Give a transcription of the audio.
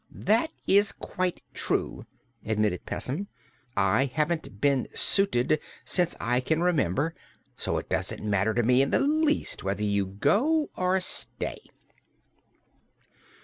"That is quite true," admitted Pessim. "I haven't been suited since I can remember; so it doesn't matter to me in the least whether you go or stay."